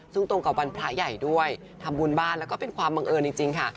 ซึ่งตรงกับวันพระใหญ่ด้วยทำบุญบ้านแล้วก็เป็นความบังเอิญจริงค่ะ